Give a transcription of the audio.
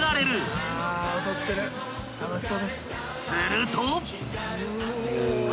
［すると］